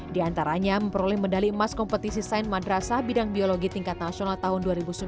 di antaranya memperoleh medali emas kompetisi sain madrasah bidang biologi tingkat nasional tahun dua ribu sembilan belas